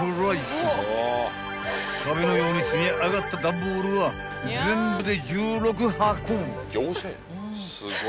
［壁のように積み上がった段ボールは全部で１６箱］